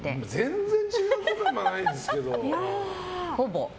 全然違うことはないですけど。